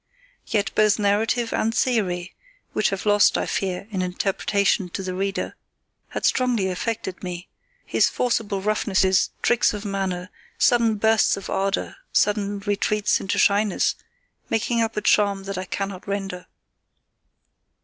Yet both narrative and theory (which have lost, I fear, in interpretation to the reader) had strongly affected me; his forcible roughnesses, tricks of manner, sudden bursts of ardour, sudden retreats into shyness, making up a charm I cannot render.